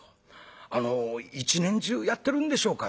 「あの一年中やってるんでしょうか？」。